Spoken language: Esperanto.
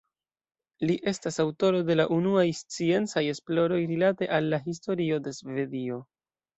Li estas aŭtoro de la unuaj sciencaj esploroj rilate al la historio de Svedio.